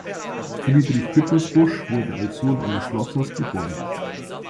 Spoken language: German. Friedrich Küppersbusch wurde als Sohn eines Schlossers geboren.